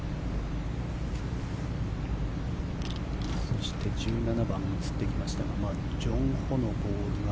そして、１７番が映ってきましたがジョン・ホのボールが。